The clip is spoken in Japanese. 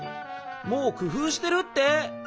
もうくふうしてるって。